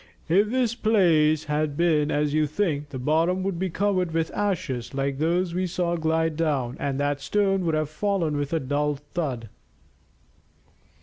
"If this place had been as you think, the bottom would be covered with ashes like those we saw glide down, and that stone would have fallen with a dull thud."